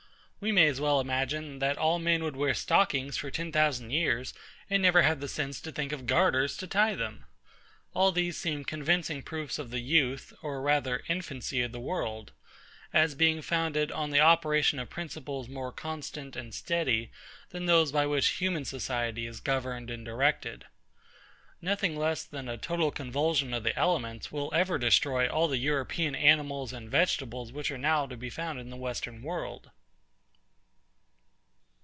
We may as well imagine, that all men would wear stockings for ten thousand years, and never have the sense to think of garters to tie them. All these seem convincing proofs of the youth, or rather infancy, of the world; as being founded on the operation of principles more constant and steady than those by which human society is governed and directed. Nothing less than a total convulsion of the elements will ever destroy all the EUROPEAN animals and vegetables which are now to be found in the Western world.